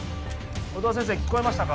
音羽先生聞こえましたか？